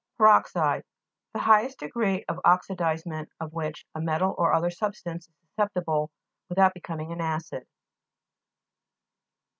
PERO'XIDE The highest degree of oxidizement of which a metal or other substance is susceptible with out becoming an acid.